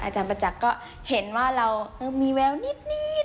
อาจารย์ประจักษ์ก็เห็นว่าเรามีแววนิด